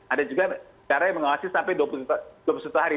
ada juga cara yang mengawasi sampai dua puluh satu hari